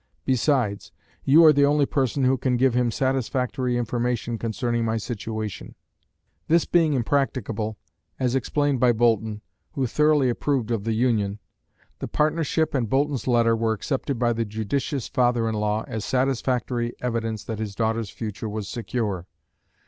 Besides, you are the only person who can give him satisfactory information concerning my situation. This being impracticable, as explained by Boulton, who thoroughly approved of the union, the partnership and Boulton's letter were accepted by the judicious father in law as satisfactory evidence that his daughter's future was secure.